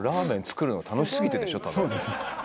そうですね。